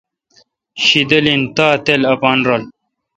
شدل این تاؘ تل اپان رل